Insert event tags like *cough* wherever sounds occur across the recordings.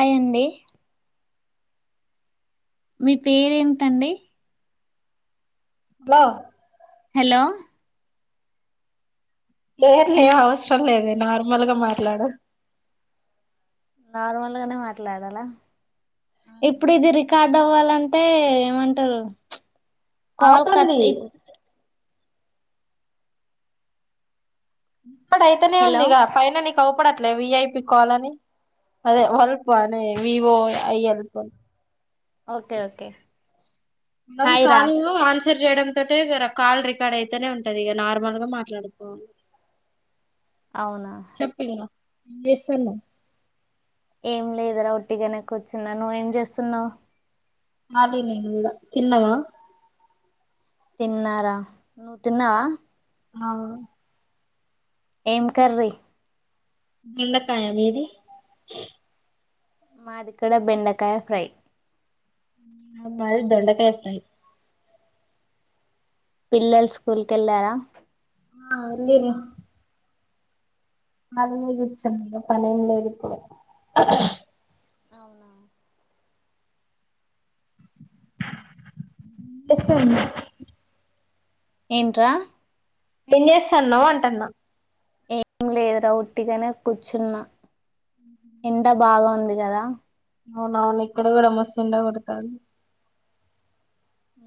Hi అండి మీ పేరేంటండి లో హలో పేర్లేం హలో అవసరం లేదు నార్మల్గా మాట్లాడు నార్మల్ గనే మాట్లాడాలా ఇప్పుడు ఇది రి కార్డ అవ్వాలంటే ఏమంటరు అవుతుంది కాడ అయితనే హలో ఉందిగ పైన నీక్ అవుపడట్లే విఐపి కాలని అదే వలపనే వివో ఐఎల్ ఫ ఓకే ఓకే అ హాయ్ రా కాల్ ను ఆన్ చేయడతోనే ఇగా కాల్ రికార్డ్ అయితేనే ఉంటది ఇక నార్మల్ గా మాట్లాడుకోవాలి అవునా ఎంచేస్తున్నావ్ ఏం లేదురా ఒట్టిగనే కూచ్చున్నా నువు ఏం చేస్తున్నావు మాది నెల్లూరే తిన్నావా తిన్నారా నువ్వు తిన్నావా అవు ఏం కర్రీ దోండకాయా మీది మాదిక్కడ బెండకాయ ఫ్రై ఆ మాది దొండకాయ ఫ్రై పిల్లలు స్కూల్ కెళ్ళారా ఆ వెళ్ళి ర్రా కాలిగ కుచ్చున్న పనేం లేదు ఇప్పుడు అవునా డిఫరెంట్ ఏంట్ రా ఏం చేస్తున్నవు అంటున్న ఏం లేదురా ఉట్టిగనే కూర్చున్నా ఎండ బాగా ఉంది గదా అవున అవును ఇక్కడ కూడా మస్తు ఎండ కొడతాంది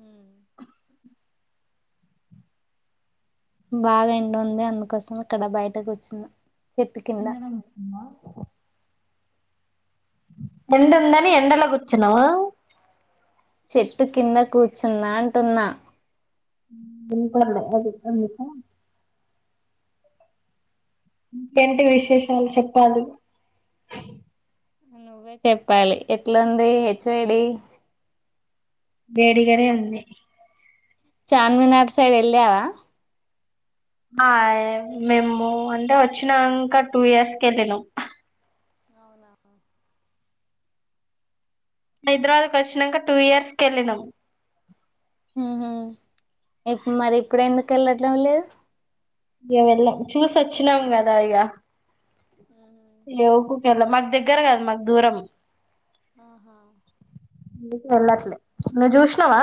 ఉ బాగా ఎండ ఉంది అందుకోసం ఇక్కడ బయటకు గూచ్చినా ఎండ గోడుతుందా ఎండ ఉందని ఎండలో కూర్చున్నావా చెట్టు కింద కూర్చున్నా అంటున్నా వినపల్లా ఏందో చెప్పు ఇంకెంటి విశేషాలు చెప్పాలి నువ్వే చెప్పాలి ఎట్లుంది హెచ్ వైడి వేడిగ నే ఉంది చార్మినార్ సైడ్ ఎళ్ళావా హాయ్ మేము అంటే వచ్చినంక టూ ఇయర్స్ కి వెళ్ళి నం హైదరాబాద్ కు వచ్చినాక టూ ఇయర్స్ కి వెళ్ళి నం ఉ ఎప్పు మరి ఇప్పుడు ఎందుకు వెళ్ళటంలేదు మేము వెళ్ళం చూసి వచ్చినాం కదా ఇగ వెళ్ళం మాకు దగ్గర కాదు మాకు దూరం అవునా ఎల్లట్లే నువ్ చూషినావా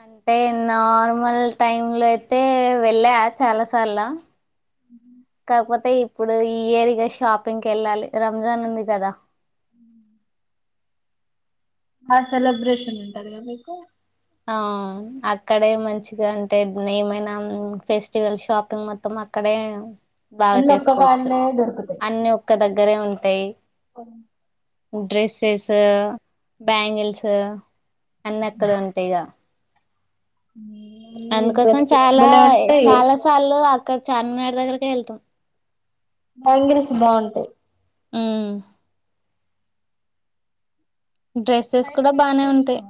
అంటే నార్మల్ టైమ్ లో అయితే వెళ్ళా చాలా సార్ల *inaudible* లేకపోతే ఇప్పుడు ఈ ఇయరిగా షాపింగ్ కి వెళ్ళాలి రంజాన్ ఉంది కదా *inaudible* ఆ సెలబ్రేషన్ ఉంటది గా మీకు ఆ అక్కడే మంచిగా అంటే ఏమైనా ఫెస్టివల్ షాపింగ్ మొత్తం అక్కడే బాగా అన్ని ఒక్క చేసుకోవచ్చు కాడనే దొరుకుతాయి అన్ని ఒక్క దగ్గరే ఉంటాయి *inaudible* డ్రెస్సెస్ బ్యాంగిల్స్ అన్ని అక్కడ ఉం టమ్ అన్ని అందుకోసం డ్రెస్ చాలా భలే ఉంటాయి చాలా సార్లు అక్కడ చార్మినార్ దగ్గర కే వెళ్తాం బ్యాంగిల్స్ బాగుంటాయి ఊ డ్రెస్సెస్ కూడా బానే ఉంటాయి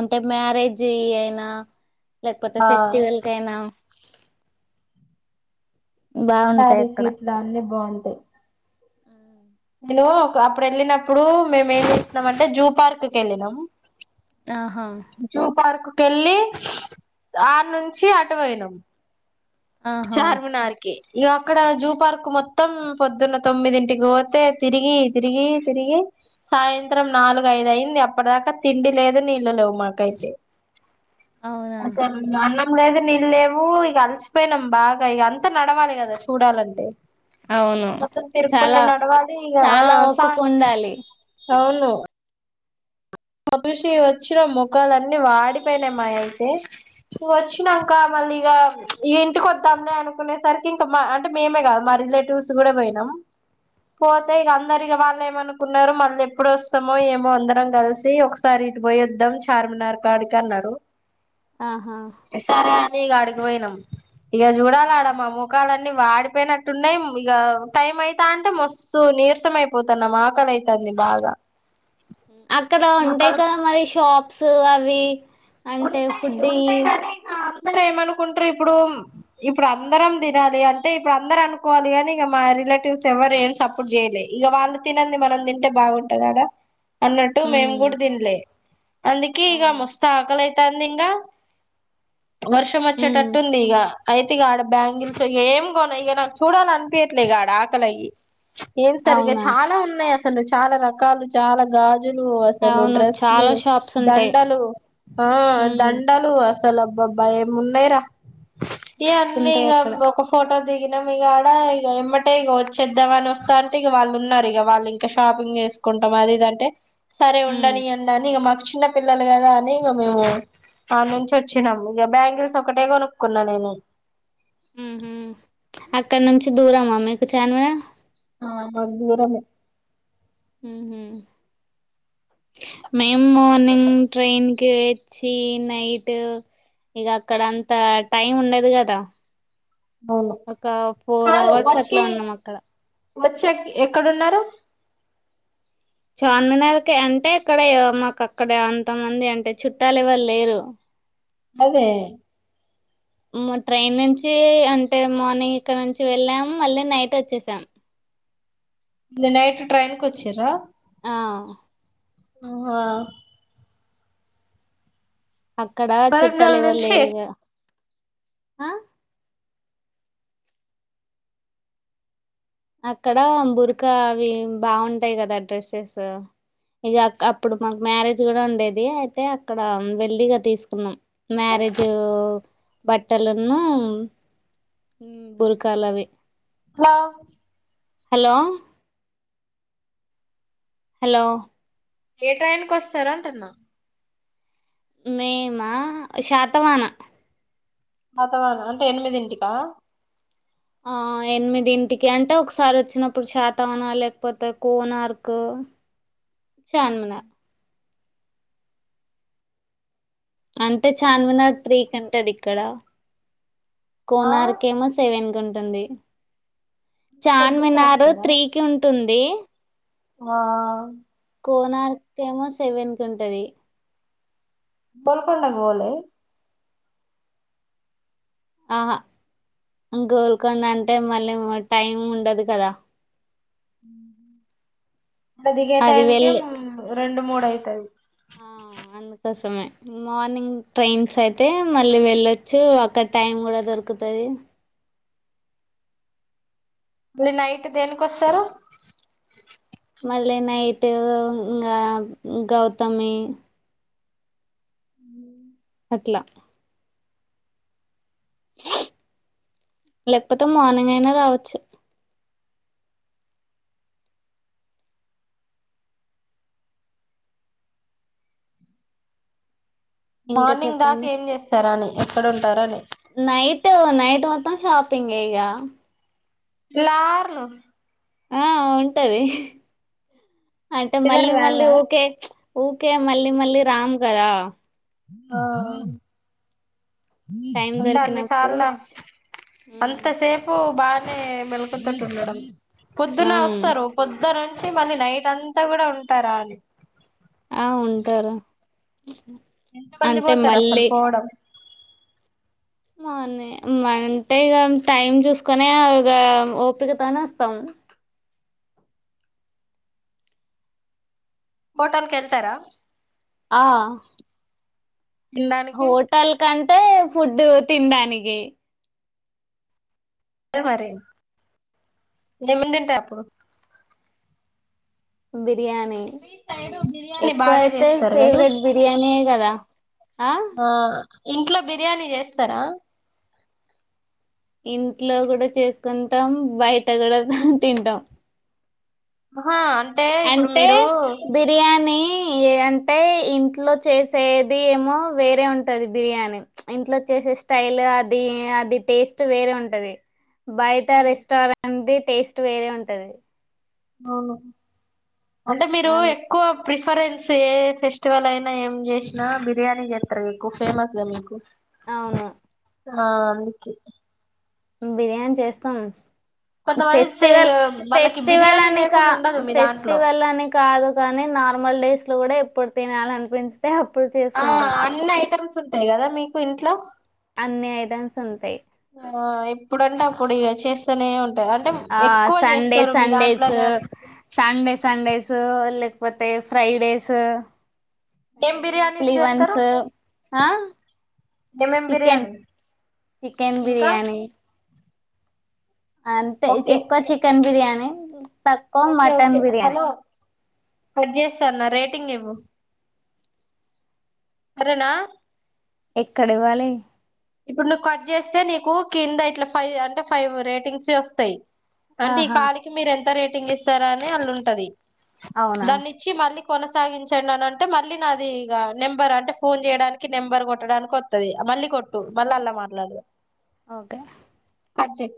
అంటే మ్యారేజీ అయినా లేకపోతే ఆ ఫెస్టివల్ కైయినా బాగుంటాయి శారీ అక్కడ సీట్లు అన్నీ బాగుంటాయి నేను అప్పుడు వెళ్ళినప్పుడు మేము ఏం చేస్తున్నాం అంటే జూ పార్క్ కి వెళ్ళి నం ఆహా జూ పార్క్ కు ఎళ్ళి ఆ నుంచి అటు పోయినం ఆహా చార్మినార్ కి ఇ అక్కడ జూ పార్క్ మొత్తం పొద్దున్న తొమ్మిదింటికి పోతే తిరిగి తిరిగి తిరిగి సాయంత్రం నాలుగుఐదు అయింది అప్పటి దాకా తిండి లేదు నీళ్ళు లేవు మాకైతే అవునా అసలు ఉన్నానా లేదు నీళ్ళు లేవు ఇగ అలిసిపోయినం బాగా ఇగ అంతా నడవాలి కదా చూడాలంటే అవును మొత్తం తిరుక్కుంట చాలా నడవాలి ఇగ ఆ చాలా సా ఓపిక ఉండాలి అవును చూసి వచ్చిన ముఖాలున్నీ వాడిపోయినై మా అయితే వచ్చ ినాంక ఆహా మళ్ళీగా ఏ ఇకొద్దాంనే అనుకునేసరికి ఇంకా మా అంటే మేమే కాదు మా రిలేటివ్స్ కూడా పోయినాం పోతే ఆహా ఇక అందరికి వాళ్ళు ఏమనుకున్నారు మళ్ళ ఎప్పుడు వస్తామో ఏమో అందరం కలిసి ఒకసారి ఇటు పోయొద్దాం చార్మినార్ కాడికి అన్నారు ఆహా ఇ అడిగిపోయినాం ఇగ చూడాల ఆడ మా మోకాలని వాడిపోయినట్టున్నాయి ఇక టైం అవుతా అంటే మస్తు నీరసం అయిపోతున్నం ఆకల అవుతది ని భాగా అక్కడ ఉంటాయి కదా మరి షాప్స్ అవి అంటే ఫుడ్ యి అందర ఏమనుకుంటారు ఇప్పుడు ఇప్పుడు అందరం తినాలి అంటే ఇప్పుడు అందరు అనుకోవాలి కాని ఇక మారి రిలేటివ్స్ ఎవరు ఏం సప్పుడ్ చేయలే ఇక వాళ్ళు తినండి మనం తింటే బాగుంటదడా అన్నట్టు మేం ఉమ్ కూడా తిన్లే అందుకే ఇక అవునా ముస్తా అయితందిగా వర్షం ఉమ్ వచ్చేటట్టుంది ఈగ అయితేగాడ బ్యాంగిల్స్ ఇక ఏం కొన ఇక నాకు చూడాలి అనిపయట్లేదుగా ఆడ ఆకలివి ఏం సరి్గా అవునా చాలా ఉన్నాయి అసలు చాలా రకాలు చాలా గాజ గాజులు అసలు అవును డ్రెస్లు చాలా షాప్స్ ఉంటాయి దండలు ఆ ఉమ్ దండాాలు అసలు అబ్బబ్బాయి ఎమున్నాయి రా ఇ అన్నీ మస్తుంటాయి ఇక అక్కడ ఒక ఫోటో దిగినాం ఇక ఆడ ఇక ఇమ్మటే ఇక వచ్చేద్దామని వస్తా అంటే ఇక వాళ్ళు ఉన్నారు ఇక వాళ్ళు ఇంకా షాపింగ్ చేసుకుంటాం అది ఇదంటే సరే ఉమ్ ఉండని అని ఇక మాకు చిన్న పిల్లలు కదా అని ఇక మేము ఆ నుంచి వచ్చినాం ఇక బ్యాంగల్స్ ఒకటే కొనుక్కున్నా నేను ఉహ అక్కడ నుంచి దూరమా మీకు చార్మినార్ ఆ మ దూరమే హహ మేము మార్నింగ్ ట్రైన్ కి వచ్చి నైట్ ఇక అక్కడ అంత టైం ఉండది కదా అవును ఒక ఫోర్ అవర్స్ అట్లా ఉన్నాం అక్కడ వచ్చే ఎక్కడున్నారు చార్మినార్కి అంటే అక్కడ మాకు అక్కడ అంతమంది అంటే చుట్టాలు ఇవళ లేరు అదే ట్రైన్ నుంచి అంటే మార్నింగ్ ఇక్కడ నుంచి వెళ్ళాము మళ్ళీ నైట్ వచ్చేసాం నైట్ ట్రైన్ కి వచ్చిరా ఆ ఆహా అక్కడ చుట్టాలు వరంగల్ ఎవ్వరు నుంచి లేరు కడా ఆ అక్కడ బురకావి బాగుంటాయి కదా డ్రెస్సెస్ ఇక అప్పుడు మాకు మ్యారేజ్ కూడా ఉండేది అయితే అక్కడ వెళ్లిగా తీసుకున్నాం మ్యారే రేజ్ బట్టలను బురకాలవి హలో హలో హలో ఏ ట్రైన్కి వస్తారూ అంటున్నా మేమా శాతవాన మాతవాన అంటే ఎనిమిదింటికా ఆ ఎనిమిదింటికి అంటే ఒకసారి వచ్చినప్పుడు శాతావనా లేకపోతే కోనార్క్ చార్మినార్ అంటే చార్మినార్ త్రీకి ఉంటది ఇక్కడ ఆ కోనార్కేమో సెవెన్కి ఉంటుంది పొద్దున్నే చార్మినార్ వస్తారా త్రీ కి ఉంటుంది ఆ కోనార్కేమో సెవెన్కి ఉంటది. గోల్కొండకి పోలే. ఆహా గోల్కొండ అంటే మళ్ళీ మా టైం ఉండదు కదా దిగే అది టయానికి వెళ్ళి రెండు, మూడు అయితది. *inaudible* ఆ! అందుకోసమే మార్నింగ్ ట్రైన్స్ అయితే మళ్ళీ వెళ్ళొచ్చు అక్కడ టైమ్ కూడా దొర దొరుకుతది *inaudible* మళ్ళీ నైట్ దేనికొస్తారు మళ్లీ నైట్ ఇంగా గౌతమి ఉ అట్లా లేకపోతే మార్నింగ్ అయిన రావచ్చు. ఇంకా మార్నింగ్ దాకా చెప్పండి ఏం చేస్తారా అని ఎక్కడ ఉంటారని నైట్, నైట్ మొత్తం షాపింగే ఇగ తెల్లార్లు ఆ ఉంటది అంటే నిదర్ మళ్ళీ మళ్ళీ రాదా ఉకే ఊకే మళ్ళీ మళ్ళీ రామ్ కదా *inaudible* *inaudible* *inaudible* టైం దొరికినప్పుడు ఆ వచ్చి మళ్ళీ నైట్ అంతా కూడా ఉంటారా అని. ఆ ఉంటారు ఎంత మంది అంటే పోతారు అసలు మళ్ళీ పోవడం మర్నింగ్ అంటే ఇగ టైం చూసుకోనే ఇగ ఓపికతోనే వస్తాం. *inaudible* హోటల్ కి వెళ్తారా ఆ తినడానికి హోటల్ కంటే ఫుడ్ తినడానికి *unintelligible* బిర్యానీ బిర్యానీ ఎక్కువ బాగా అయితే చేస్తారు కదా ఫేవరెట్ బిర్యానీయే కదా ఆ ఇంట్లో బిర్యానీ చేస్తారా ఇంట్లో కూడా చేసుకుంటాం బయట కూడా తింటాం ఆహా అంటే ఇప్పుడు అంటే మీరు బిర్యానీ. అంటే ఇంట్లో చేసేది ఏమో వేరే ఉంటది బిర్యాని ఇంట్లో చే స్టైల్ అది అది టేస్ట్ వేరే ఉంటది. బయట రెస్టారెంట్దిి టేస్ట్ వేరే ఉంటది. అవును. అంటే మీరు ఎక్కువ. డిప్రిఫరెన్స్ ఏ ఫెస్టివల్ అయినా ఏం చేసినా బిర్యానీ చేస్తారుగా మీకు ఫేమస్ గా మీకు అవును. ఆ అందుకే బిర్యానీ చేస్తాను. కొంతమంది సే ఫెస్టివల్, ఇగ వాళ్ళకి ఫెస్టివల్ బిర్యానీ అని కా లేకుండా ఉండదు మీ దాంట్లో ఫెస్టివల్ అని కాదు కాని నార్మల్ డేస్ లో కూడా ఎప్పుడు తినాలి అనిపించ ఆ అన్ని ఐటమ్స్ ఉంటాయి కదా మీకు ఇంట్లో అన్ని ఐటమ్స్ ఉంటాయి. ఆ ఎప్పుడంటే అప్పుడు గ ల చేస్తేనే ఉంటా ఆ సండే, సండేస్. దాంట్లోనే సండే, లసండేస్ పోతే ఫ్రైడేసు ఈ ఏం వీక్లీ బిర్యానీస్ వన్స్ చేస్తారు ఆ ఏమేం చికెన్ బిర్యానీ చికెన్ ఇంకా బిర్యానీ అంతే ఓకే ఎక్కువ చికెన్ బిర్యానీ తక్కువ okay mutton okay biryani hello cut చేస్తాన్న రేటింగ్ ఇవ్వు సరేనా ఎక్కడ ఇవ్వాలి ఇప్పుడు నువ్వు కట్ చేస్తే నీకు కింద ఇట్లా ఫైవ్ అంటే ఫైవ్ రేటింగ్స్ వస్తాయి అంటే ఈ ఆహా కాల్ కి మీరు ఎంత రేటింగ్ ఇస్తారా అని అళ్ళు ఉంటది అవునా దాన్ని ఇచ్చి మళ్ళీ కొనసాగించండి అని అంటే మళ్ళీ నాది ఇగ నెంబర్ అంటే ఫోన్ చేయడానికి నెంబర్ కొట్టడానికి వత్తది మళ్ళీ కొ ట్టు మళ్ళ అలా మాట్లాడదు ఓకే కట్ చెయ్